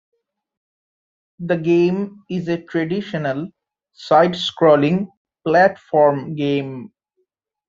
The game is a traditional side-scrolling platform game.